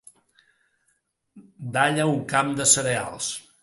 Dalla un camp de cereals.